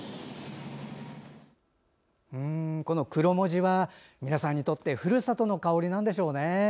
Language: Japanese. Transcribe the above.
このクロモジは皆さんにとってふるさとの香りなんでしょうね。